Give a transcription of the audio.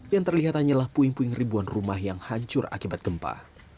yang terlihat hanyalah puing puing ribuan rumah yang hancur akibat gempa